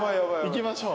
行きましょう。